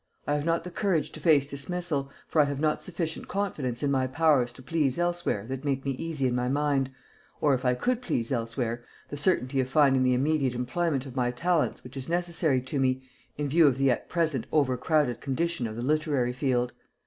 I have not the courage to face dismissal, for I have not sufficient confidence in my powers to please elsewhere to make me easy in my mind, or, if I could please elsewhere, the certainty of finding the immediate employment of my talents which is necessary to me, in view of the at present overcrowded condition of the literary field.